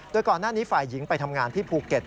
โดยก่อนหน้านี้ฝ่ายหญิงไปทำงานที่ภูเก็ต